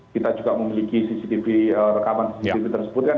kita juga memiliki cctv rekaman cctv tersebut kan